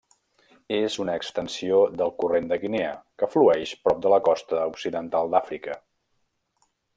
És una extensió del Corrent de Guinea, que flueix prop de la costa occidental d'Àfrica.